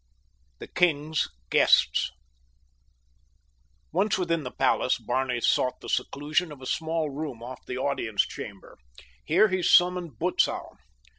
THE KING'S GUESTS Once within the palace Barney sought the seclusion of a small room off the audience chamber. Here he summoned Butzow.